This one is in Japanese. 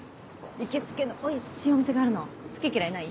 行きつけのおいしいお店があるの好き嫌いない？